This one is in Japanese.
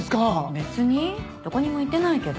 別にどこにも行ってないけど？